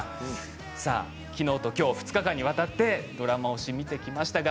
きのうと、きょう２日間にわたってドラマ推し見てきました。